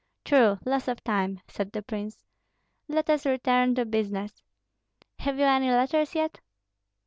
"True, loss of time!" said the prince. "Let us return to business. Have you any letters yet?"